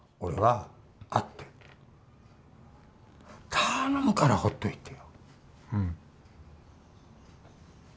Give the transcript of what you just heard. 頼むからほっといてよ。